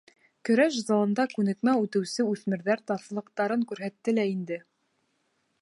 Көрәш залында күнекмә үтеүсе үҫмерҙәр таҫыллыҡтарын күрһәтте лә инде.